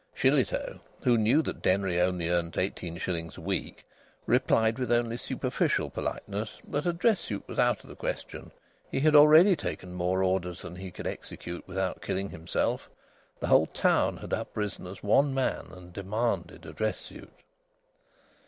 Shillitoe, who knew that Denry only earned eighteen shillings a week, replied with only superficial politeness that a dress suit was out of the question; he had already taken more orders than he could execute without killing himself. The whole town had uprisen as one man and demanded a dress suit.